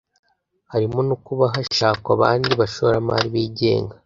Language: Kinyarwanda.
harimo no kuba hashakwa abandi bashoramari bigenga